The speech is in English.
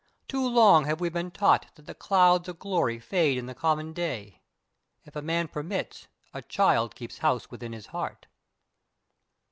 Too long have we been taught that the clouds of glory fade in the common day. If a man permits, a child keeps house within his heart.